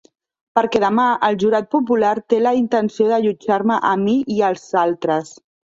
Perquè demà el Jurat Popular té la intenció de jutjar-me a mi i als altres.